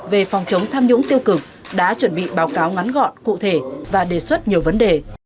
về phòng chống tham nhũng tiêu cực đã chuẩn bị báo cáo ngắn gọn cụ thể và đề xuất nhiều vấn đề